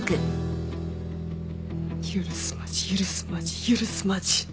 許すまじ許すまじ許すまじ。